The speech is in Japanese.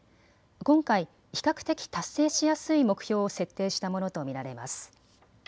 今回、比較的達成しやすい目標を設定したものと見られます。